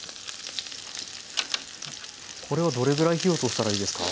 これはどれぐらい火を通したらいいですか？